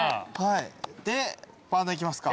でパンダ行きますか。